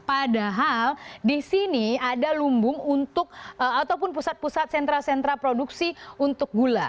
padahal di sini ada lumbung untuk ataupun pusat pusat sentra sentra produksi untuk gula